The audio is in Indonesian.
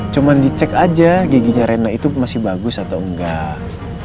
cuma dicek aja giginya rendah itu masih bagus atau enggak